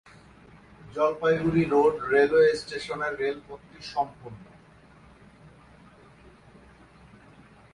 Jalpaiguri road railway স্টেশনের রেলপথটি সম্পূর্ণ।